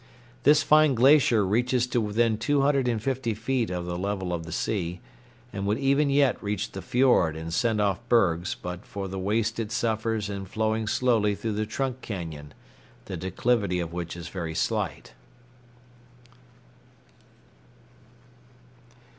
This fine glacier reaches to within two hundred and fifty feet of the level of the sea, and would even yet reach the fiord and send off bergs but for the waste it suffers in flowing slowly through the trunk cañon, the declivity of which is very slight.